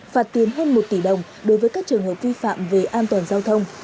phạt tiền hơn một tỷ đồng đối với các trường hợp vi phạm về an toàn giao thông